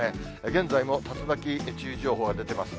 現在も竜巻注意情報が出てます。